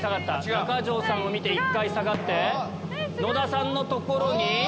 中条さんを見て１回下がって野田さんのところに。